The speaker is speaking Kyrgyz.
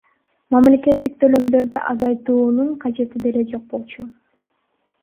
Мамлекеттик төлөмдөрдү азайтуунун кажети деле жок болчу.